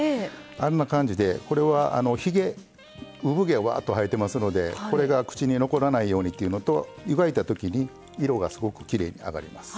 あんな感じでこれはひげうぶ毛わっと生えてますのでこれが口に残らないようにっていうのと湯がいたときに色がすごくきれいにあがります。